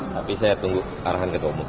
tapi saya tunggu arahan ketua umum